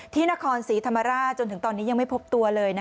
ที่นครศรีธรรมราชจนถึงตอนนี้ยังไม่พบตัวเลย